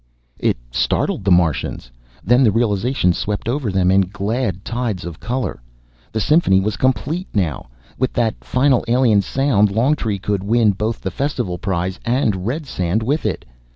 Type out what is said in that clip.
It startled the Martians. Then the realization swept over them in glad tides of color. The symphony was complete now, with that final alien sound. Longtree could win both the festival prize and Redsand with it.